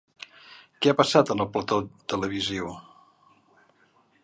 Què ha passat en el plató televisiu?